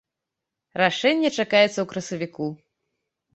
Рашэнне чакаецца ў красавіку.